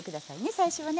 最初はね。